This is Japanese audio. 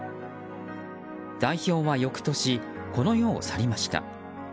代表は翌年、この世を去りました。